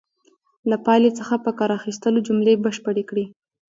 له پایلې څخه په کار اخیستلو جملې بشپړې کړئ.